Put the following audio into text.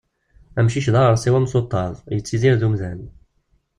Amcic d aɣersiw amsuṭṭaḍ, yettidir d umdan.